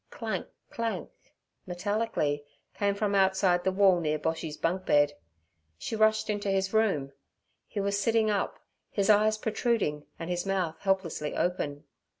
'Clank, clank' metallically came from outside the wall near Boshy's bunk head. She rushed into his room. He was sitting up, his eyes protruding and his mouth helplessly open.